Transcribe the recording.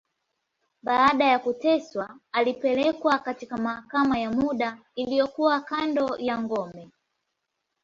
Baada ya kuteswa, alipelekwa katika mahakama ya muda, iliyokuwa kando ya ngome.